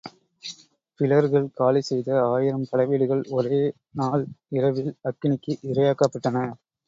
பிலர்கள் காலிசெய்த ஆயிரம் படைவீடுகள் ஒரே நாள் இரவில் அக்கினிக்கு இறையாக்கப்பட்டன.